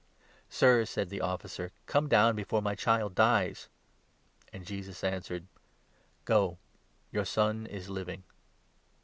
" Sir," said the officer, "come down before my child dies." 49 And Jesus answered : "Go, your son is living."